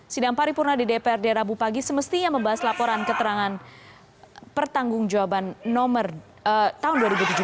sidang paripurna dprd rabu pagi semestinya membahas laporan keterangan pertanggungjawaban tahun dua ribu tujuh belas